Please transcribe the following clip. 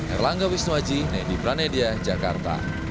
erlangga wisnuaji nedi pranedia jakarta